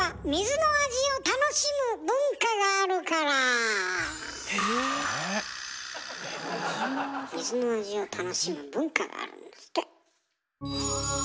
水の味を楽しむ文化があるんですって。